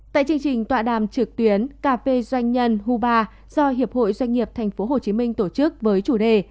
tại chương trình tọa đàm trực tuyến càp doanh nhân hubar do hiệp hội doanh nghiệp tp hcm tổ chức với chủ đề